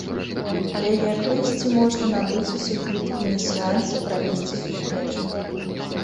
Але як выйсце можна набыць усе квіткі на сеанс і правесці сустрэчу.